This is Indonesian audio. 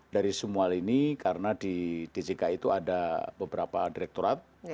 dari semua lini karena di djk itu ada beberapa direkturat